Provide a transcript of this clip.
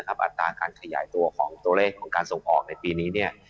อัตราการขยายตัวของตัวเลขของการส่งออกในปีนี้